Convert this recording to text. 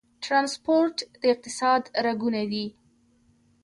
ټرانسپورټ د اقتصاد رګونه دي